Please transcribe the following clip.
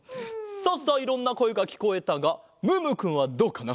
さあさあいろんなこえがきこえたがムームーくんはどうかな？